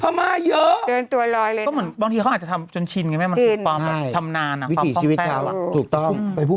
พะมาเยอะเดินตัวร้อยเลยก็เหมือนบางทีเขาอาจจะทำจนชินไง